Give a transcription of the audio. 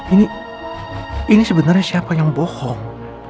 ini ini sebenarnya siapa yang bohong